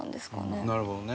なるほどね。